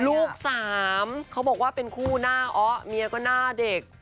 ลูกสามเขาบอกว่าเป็นคู่หน้าอ้อเมียก็หน้าเด็ก